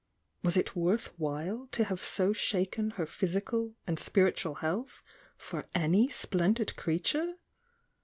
Was it worth while to have so shaken her physical and spir itual health for any Splendid Creature?